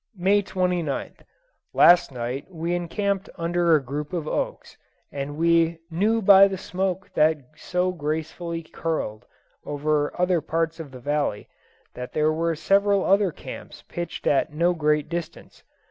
May 29th. Last night we encamped under a group of oaks, and we "knew by the smoke that so gracefully curled" over other parts of the valley, that there were several other camps pitched at no great distance.